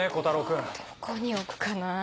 どこに置くかな